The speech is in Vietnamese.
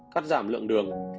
cắt giảm lượng đường